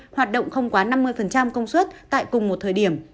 hoạt động không quá năm mươi công suất tại cùng một thời điểm